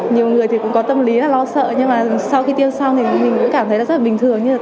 nhiều người thì cũng có tâm lý lo sợ nhưng mà sau khi tiêm xong thì mình cũng cảm thấy rất là bình thường